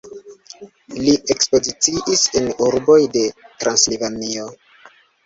Li ekspoziciis en urboj de Transilvanio.